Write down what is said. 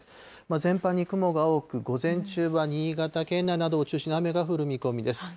全般に雲が多く、午前中は新潟県内などを中心に雨が降る見込みです。